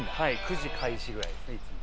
９時開始ぐらいですねいつも」